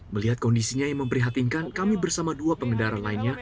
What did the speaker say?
melihat kondisinya yang memprihatinkan kami bersama dua pengendara lainnya